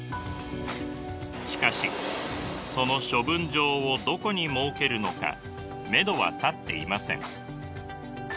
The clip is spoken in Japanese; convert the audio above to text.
しかしその処分場をどこに設けるのかめどは立っていません。